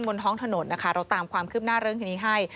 บนท้องถนนนะคะเราตามความคืบหน้าเรื่องทีนี้ให้